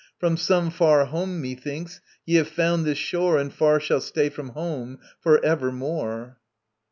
From some far home, methinks, ye have found this shore And far shall stay from home for evermore.